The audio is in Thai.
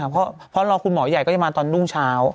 เพราะรอคุณหมอใหญ่ก็จะมาตอนรุ่งเช้า